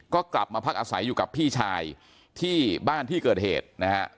ก็กลับมาพักอาศัยอยู่กับพี่ชายที่บ้านที่เกิดเหตุนะฮะ